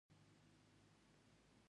آیا کاناډا د پولیسو اداره نلري؟